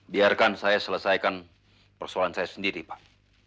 biarkan saya selesaikan persoalan saya sendiri pak